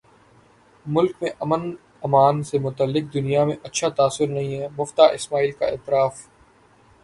ملک میں امن امان سے متعلق دنیا میں اچھا تاثر نہیں ہے مفتاح اسماعیل کا اعتراف